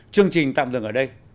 chương trình tạm dừng ở đây